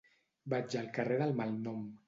Vaig al carrer del Malnom.